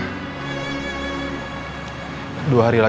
dan dua hari lagi